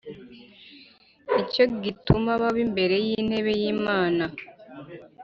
Ni cyo gituma baba imbere y’intebe y’Imana,